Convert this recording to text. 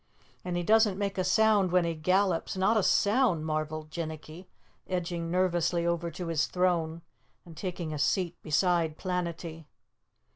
"And he doesn't make a sound when he gallops not a sound," marveled Jinnicky, edging nervously over to his throne and taking a seat beside Planetty.